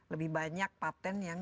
lebih banyak patent yang